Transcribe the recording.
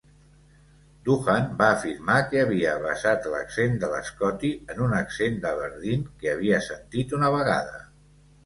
Doohan va afirmar que havia basat l'accent de l'Scotty en un accent d'Aberdeen que havia sentit una vegada.